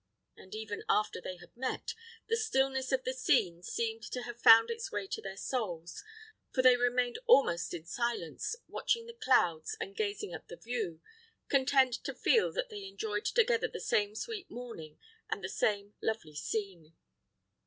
And even after they had met, the stillness of the scene seemed to have found its way to their souls, for they remained almost in silence watching the clouds and gazing at the view, content to feel that they enjoyed together the same sweet morning and the same lovely scene.